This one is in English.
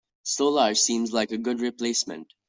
Solar seems like a good replacement.